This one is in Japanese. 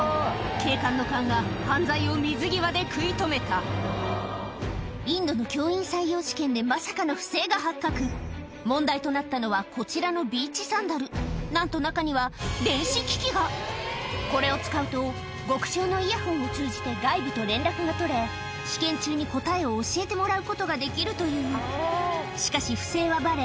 警官の勘が犯罪を水際で食い止めたインドの教員採用試験でまさかの不正が発覚問題となったのはこちらのビーチサンダルなんと中には電子機器がこれを使うと極小のイヤホンを通じて外部と連絡が取れ試験中に答えを教えてもらうことができるというしかし不正はバレ